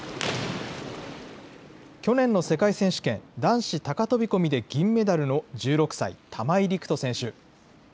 去年の世界選手権、男子高飛び込みで銀メダルの１６歳、玉井陸斗選手。